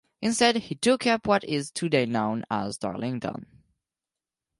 Instead he took up what is today known as Darlington.